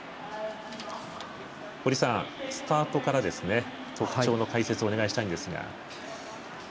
堀さん、スタートから特徴の解説をお願いしたいんですが。